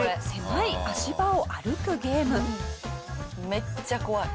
めっちゃ怖い。